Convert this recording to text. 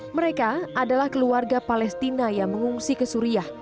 mereka adalah keluarga palestina yang mengungsi ke suriah